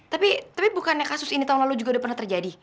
tapi bukannya kasus ini tahun lalu juga udah pernah terjadi